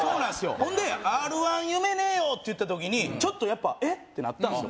ほんでＲ−１夢ねえよって言った時にちょっとやっぱえっ？ってなったんですよ